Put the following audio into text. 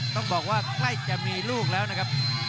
ต้องบอกว่าใกล้จะมีลูกแล้วนะครับ